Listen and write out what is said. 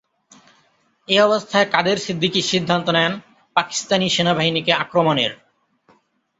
এ অবস্থায় কাদের সিদ্দিকী সিদ্ধান্ত নেন, পাকিস্তানি সেনাবাহিনীকে আক্রমণের।